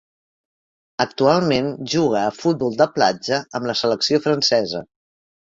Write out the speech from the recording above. Actualment juga a futbol de platja amb la selecció francesa.